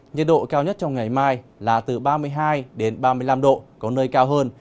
nhiệt độ cao nhất trong ngày mai là từ ba mươi hai đến ba mươi năm độ có nơi cao hơn